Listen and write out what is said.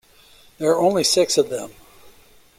There are only six of them.